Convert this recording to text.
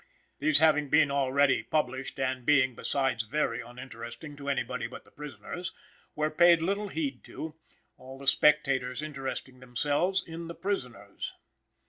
These having been already published, and being besides very uninteresting to any body but the prisoners, were paid little heed to, all the spectators interesting themselves in the prisoners.